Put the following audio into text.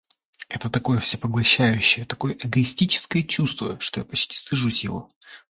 Это такое всепоглощающее, такое эгоистическое чувство, что я почти стыжусь его